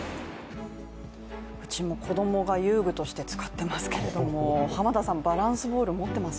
うちも子供が遊具として使っていますけれども浜田さん、バランスボール持ってます？